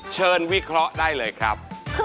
วิเคราะห์ได้เลยครับ